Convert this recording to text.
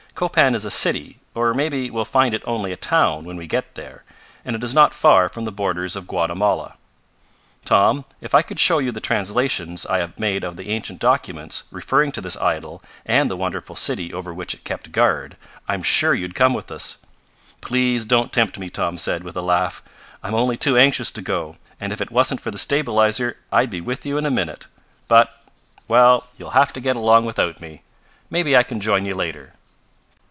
Copan is a city, or maybe we'll find it only a town when we get there, and it is not far from the borders of Guatemala. "Tom, if I could show you the translations I have made of the ancient documents, referring to this idol and the wonderful city over which it kept guard, I'm sure you'd come with us." "Please don't tempt me," Tom said with a laugh. "I'm only too anxious to go, and if it wasn't for the stabilizer I'd be with you in a minute. But Well, you'll have to get along without me. Maybe I can join you later."